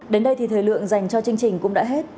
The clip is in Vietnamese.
đến đây thì thời lượng dành cho chương trình cũng đã hết